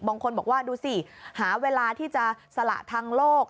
บางคนบอกว่าดูสิหาเวลาที่จะสละทางโลก